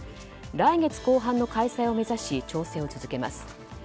来月後半の開催を目指し調整を続けます。